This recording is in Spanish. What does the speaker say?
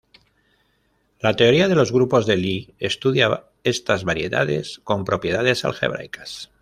La teoría de los grupos de Lie estudia estas variedades con propiedades algebraicas.